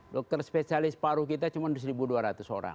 dokter spesialis paru kita cuma satu dua ratus orang